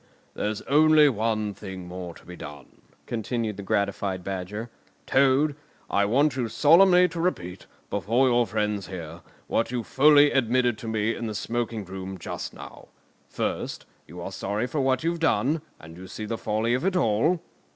"There's only one thing more to be done," continued the gratified Badger. "Toad, I want you solemnly to repeat, before your friends here, what you fully admitted to me in the smoking room just now. First, you are sorry for what you've done, and you see the folly of it all?"